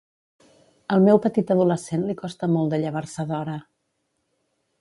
Al meu petit adolescent li costa molt de llevar-se d'hora.